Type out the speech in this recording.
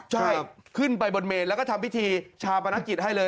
ใช่ขึ้นไปบนเมนแล้วก็ทำพิธีชาปนกิจให้เลย